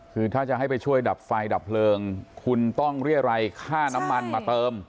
คือถ้าจะให้ไปช่วยดับไฟดับเพลิงคุณต้องเรียรัยค่าน้ำมันมาเติม